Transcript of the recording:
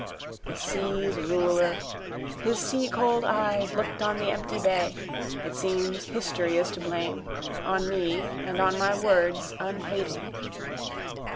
The seas' ruler. His seacold eyes looked on the empty bay: it seems history is to blame: on me and on my words, unhating.